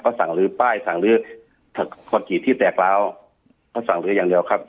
สั่งลื้อป้ายสั่งลื้อคอนกรีตที่แตกร้าวเขาสั่งลื้ออย่างเดียวครับ